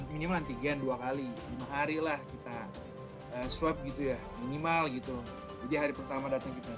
minimal antigen dua kali lima hari lah kita swab gitu ya minimal gitu jadi hari pertama datang kita